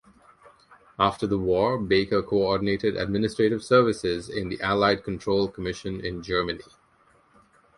After the war, Baker co-ordinated administrative services in the Allied Control Commission in Germany.